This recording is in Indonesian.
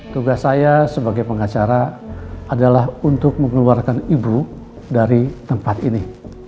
tugas saya sebagai pengacara adalah untuk mengeluarkan ibu dari tempat ini